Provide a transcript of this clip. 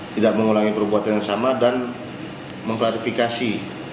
tidak mengulangi perbuatan yang sama dan mengklarifikasi